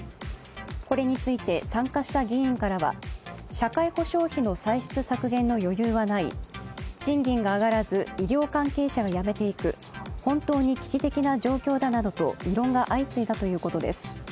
これについて参加した議員からは社会保障費の歳出削減の余裕はない賃金が上がらず、医療関係者が辞めていく、本当に危機的な状況だなどと異論が相次いだということです。